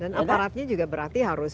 dan aparatnya juga berarti harus